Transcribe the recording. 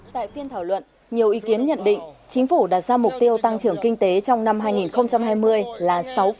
tại phiên thảo luận nhiều ý kiến nhận định chính phủ đặt ra mục tiêu tăng trưởng kinh tế trong năm hai nghìn hai mươi là sáu năm